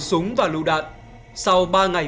súng và lũ đạn sau ba ngày